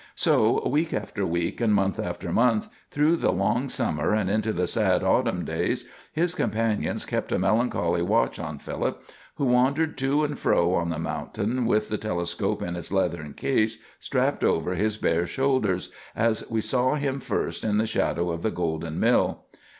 So week after week, and month after month, through the long summer and into the sad autumn days, his companions kept a melancholy watch on Philip, who wandered to and fro on the mountain, with the telescope in its leathern case strapped over his bare shoulders, as we saw him first in the shadow of the golden mill.